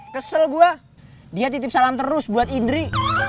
kesel gue dia titip salam terus buat indri